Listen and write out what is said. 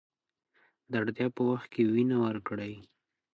د اړتیا په وخت کې وینه ورکړئ.